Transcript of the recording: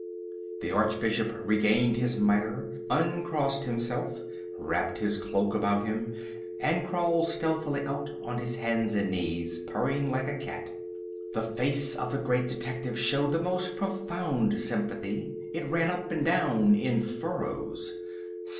The Archbishop regained his mitre, uncrossed himself, wrapped his cloak about him, and crawled stealthily out on his hands and knees, purring like a cat. The face of the Great Detective showed the most profound sympathy. It ran up and down in furrows.